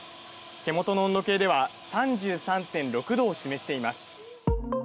手元の温度計では３３．６度を示しています。